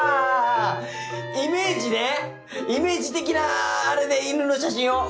イメージねイメージ的なあれで犬の写真を！